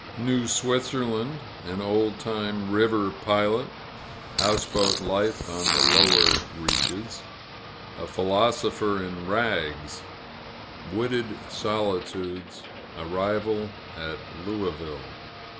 New Switzerland An old time river pilot Houseboat life, on the lower reaches A philosopher in rags Wooded solitudes Arrival at Louisville.